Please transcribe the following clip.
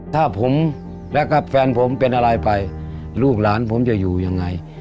ถ้าผมและกับแฟนผมเป็นอะไรไปลูกหลานผมจะอยู่ยังไง